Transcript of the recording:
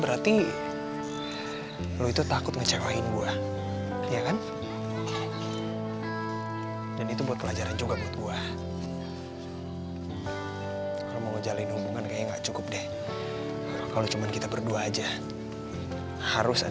atau mungkin temen temen aku anak club aja